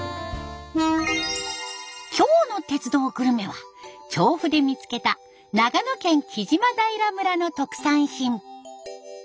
今日の「鉄道グルメ」は調布で見つけた長野県木島平村の特産品。